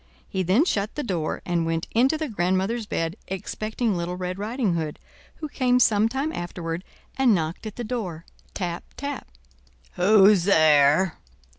He then shut the door and went into the grandmother's bed, expecting Little Red Riding Hood, who came some time afterward and knocked at the door—tap, tap. "Who's there?"